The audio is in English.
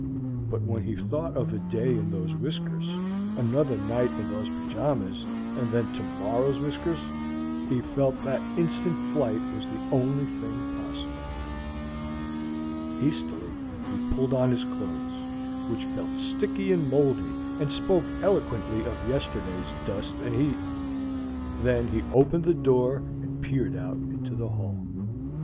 But when he thought of a day in those whiskers, another night in those pajamas, and then tomorrow's whiskers, he felt that instant flight was the only thing possible. Hastily he pulled on his clothes, which felt sticky and moldy and spoke eloquently of yesterday's dust and heat. Then he opened the door and peered out into the hall.